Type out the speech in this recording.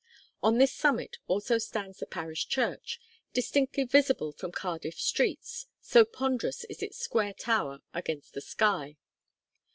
On this summit also stands the parish church, distinctly visible from Cardiff streets, so ponderous is its square tower against the sky.